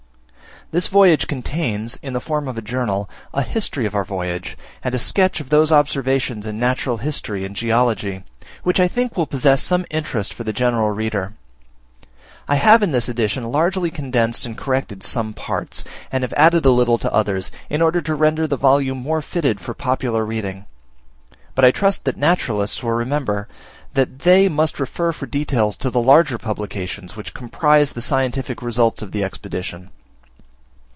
This volume contains, in the form of a Journal, a history of our voyage, and a sketch of those observations in Natural History and Geology, which I think will possess some interest for the general reader. I have in this edition largely condensed and corrected some parts, and have added a little to others, in order to render the volume more fitted for popular reading; but I trust that naturalists will remember, that they must refer for details to the larger publications which comprise the scientific results of the Expedition.